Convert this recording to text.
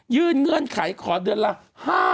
ยื่นเงื่อนไขขอเดือนละ